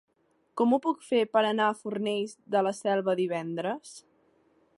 Com ho puc fer per anar a Fornells de la Selva divendres?